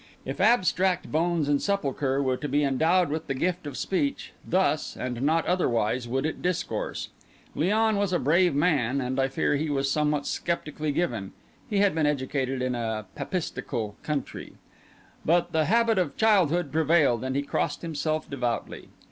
If Abstract Bones and Sepulchre were to be endowed with the gift of speech, thus, and not otherwise, would it discourse. Léon was a brave man, and I fear he was somewhat sceptically given (he had been educated in a Papistical country), but the habit of childhood prevailed, and he crossed himself devoutly.